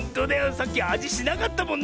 さっきあじしなかったもんな。